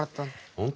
本当？